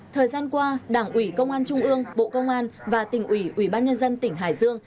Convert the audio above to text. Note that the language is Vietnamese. thời gian qua đảng quỳ công an trung ương bộ công an và tỉnh quỳ ubnd tỉnh hải sương